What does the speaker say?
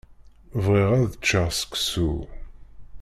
Bɣiɣ ad ččeɣ seksu.